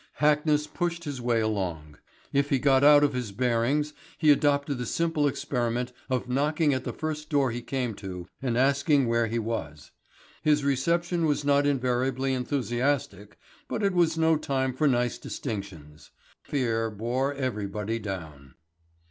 Hackness pushed his way along. If he got out of his bearings he adopted the simple experiment of knocking at the first door he came to and asking where he was. His reception was not invariably enthusiastic, but it was no time for nice distinctions. And a deadly fear bore everybody down.